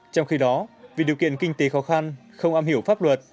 trong khi đó vì điều kiện kinh tế khó khăn không am hiểu pháp luật